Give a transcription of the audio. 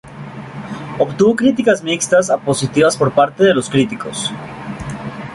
Obtuvo críticas mixtas a positivas por parte de los críticos.